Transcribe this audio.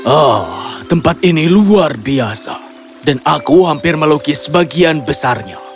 ah tempat ini luar biasa dan aku hampir melukis bagian besarnya